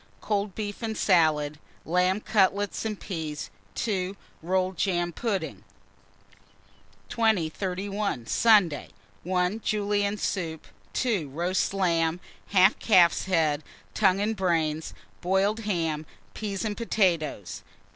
Cold beef and salad, lamb cutlets and peas. 2. Rolled jam pudding. 2031. Sunday. 1. Julienne soup. 2. Roast lamb, half calf's head, tongue and brains, boiled ham, peas and potatoes.